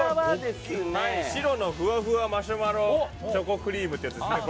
シロのふわふわマシュマロチョコクリームってやつですね。